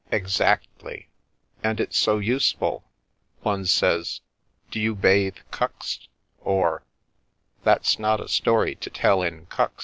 "" Exactly. And it's so useful. One says, ' Do you bathe cuxt?' Or, 'That's not a story to tell in cuxt.'"